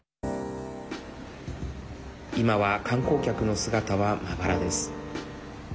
今は観光客の姿は、まばらです。